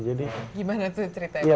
gimana tuh ceritanya buat tradisional